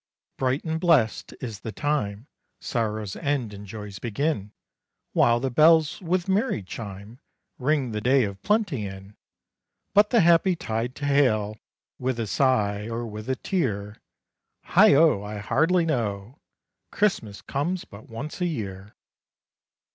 "Bright and blessed is the time, Sorrows end and joys begin, While the bells with merry chime Ring the Day of Plenty in! But the happy tide to hail, With a sigh or with or a tear, Heigho! I hardly know Christmas comes but once a year!"